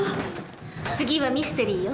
次はミステリーよ。